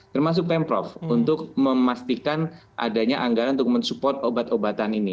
termasuk pemprov untuk memastikan adanya anggaran untuk mensupport obat obatan ini